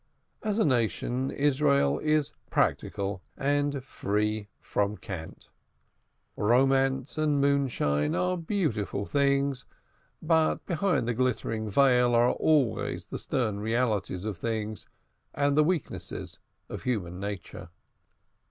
As a nation, Israel is practical and free from cant. Romance and moonshine are beautiful things, but behind the glittering veil are always the stern realities of things and the weaknesses of human nature.